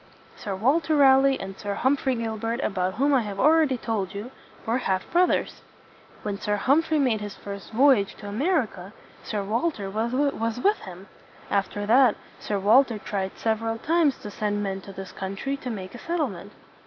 Sir Walter Raleigh and Sir Humphrey Gilbert about whom I have already told you, were half broth ers. When Sir Humphrey made his first voy age to America, Sir Walter was with him. After that, Sir Walter tried sev er al times to send men to this country to make a set tle ment.